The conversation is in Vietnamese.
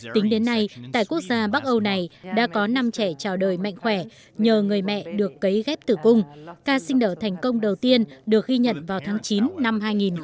tính đến nay tại quốc gia bắc âu này đã có năm trẻ trào đời mạnh khỏe nhờ người mẹ được cấy ghép tử cung ca sinh nở thành công đầu tiên được ghi nhận vào tháng chín năm hai nghìn một mươi